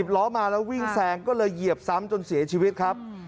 ล้อมาแล้ววิ่งแซงก็เลยเหยียบซ้ำจนเสียชีวิตครับ